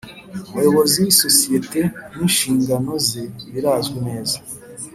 Umuyobozi w’isosiyete n’inshingano ze birazwi neza